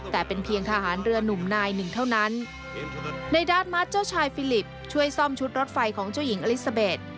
แต่เป็นเพียงทหารเรือนุ่มนายหนึ่งเท่านั้นในด้านมัดเจ้าชายฟิลิปช่วยซ่อมชุดรถไฟของเจ้าหญิงอลิซาเบส